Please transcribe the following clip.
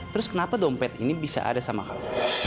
terus kenapa dompet ini bisa ada sama hal